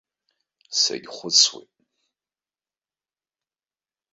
Сагьхәыцуеит.